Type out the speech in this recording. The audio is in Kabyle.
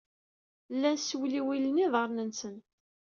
Llan ssewliwilen iḍarren-nsen.